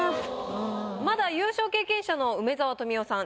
まだ優勝経験者の梅沢富美男さん